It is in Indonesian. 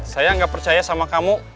saya nggak percaya sama kamu